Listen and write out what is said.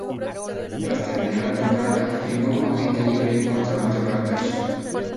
Tras terminar la temporada, firmó como agente libre con Toronto Raptors.